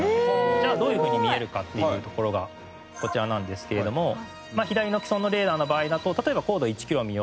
じゃあどういう風に見えるかっていうところがこちらなんですけれども左の既存のレーダーの場合だと例えば高度１キロを見ようと。